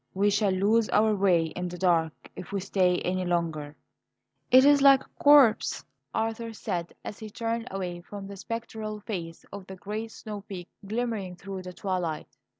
We shall lose our way in the dark if we stay any longer." "It is like a corpse," Arthur said as he turned away from the spectral face of the great snow peak glimmering through the twilight.